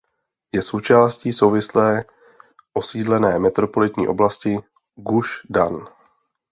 Je součástí souvisle osídlené metropolitní oblasti Guš Dan.